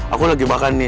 aku lagi makan nih